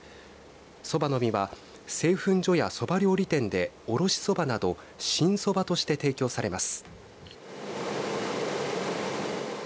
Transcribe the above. そばの実は製粉所やそば料理店でおろしそばなど新そばとして提供されます。